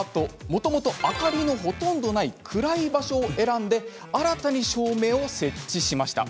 もともと明かりのほとんどない暗い場所を選んで新たに照明を設置しました。